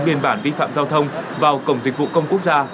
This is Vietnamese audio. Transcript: biên bản vi phạm giao thông vào cổng dịch vụ công quốc gia